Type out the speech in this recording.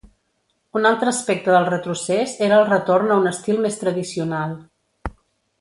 Un altre aspecte del retrocés era el retorn a un estil més tradicional.